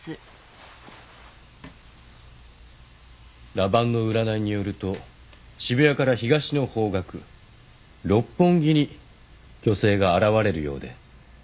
羅盤の占いによると渋谷から東の方角六本木に巨星が現れるようで。